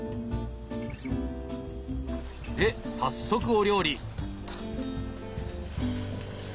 で早速お料理！